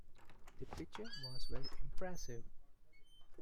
The picture was very impressive.